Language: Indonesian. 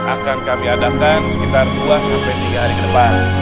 akan kami adakan sekitar dua sampai tiga hari ke depan